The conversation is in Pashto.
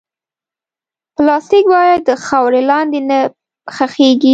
پلاستيک باید د خاورې لاندې نه ښخېږي.